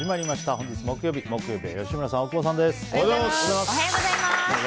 本日木曜日、木曜日は吉村さん、大久保さんです。